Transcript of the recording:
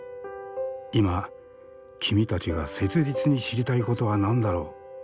今君たちが切実に知りたいことは何だろう？